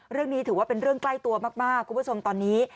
เรื่องนี้ถือว่าเป็นเรื่องใกล้ตัวมากคุณผู้ชมตอนนี้